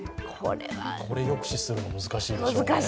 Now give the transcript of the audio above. これを抑止するのは難しいでしょうね。